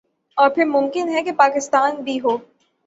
اور پھر ممکن ہے کہ پاکستان بھی ہو